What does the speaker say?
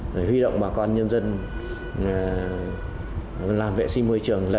và huy động bà con nhân dân làm vệ sinh môi trường lật hết